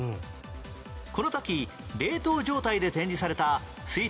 この時冷凍状態で展示された推定